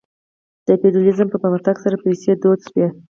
د فیوډالیزم په پرمختګ سره پیسې دود شوې.